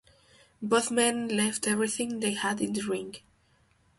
Both men left everything they had in the ring.